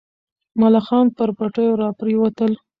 ملخان پر پټیو راپرېوتل.